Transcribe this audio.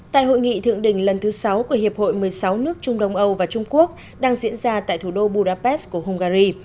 tại hội nghị thượng đỉnh lần thứ sáu của hiệp hội một mươi sáu nước trung đông âu và trung quốc đang diễn ra tại thủ đô budapest của hungary